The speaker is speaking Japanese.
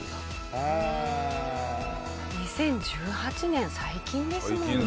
２０１８年最近ですもんね。